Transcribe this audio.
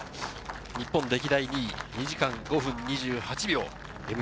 日本歴代２位、２時間５分２９秒。